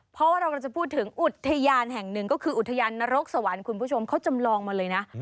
เพราะว่าเราจะพูดถึงอุทยานแห่งหนึ่งก็คืออุทยานนรกสวรรค์คุณผู้ชมเขาจำลองมาเลยนะ